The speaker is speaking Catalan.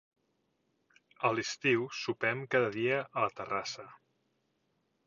A l'estiu sopem cada dia a la terrassa.